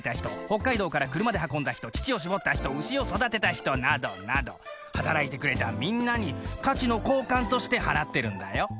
北海道から車で運んだ人乳を搾った人牛を育てた人などなど働いてくれたみんなに価値の交換として払ってるんだよ。